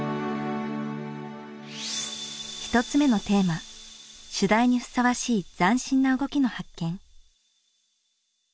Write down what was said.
１つ目のテーマ主題にふさわしい斬新な動きの発見。